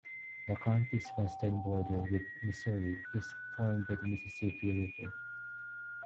The county's western border with Missouri is formed by the Mississippi River.